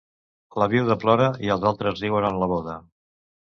La viuda plora i els altres riuen en la boda.